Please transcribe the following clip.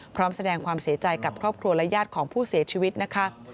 พร้อมแสดงความเสียใจกับครอบครัวและญาติของผู้เสียชีวิตนะคะ